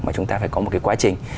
mà chúng ta phải có một cái quá trình